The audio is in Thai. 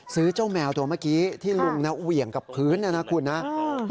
เจ้าแมวตัวเมื่อกี้ที่ลุงเหวี่ยงกับพื้นนะครับคุณนะ